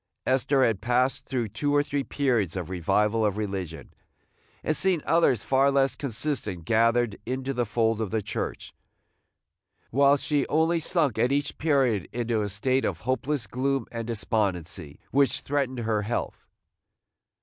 Esther had passed through two or three periods of revival of religion, and seen others far less consistent gathered into the fold of the Church, while she only sunk at each period into a state of hopeless gloom and despondency which threatened her health.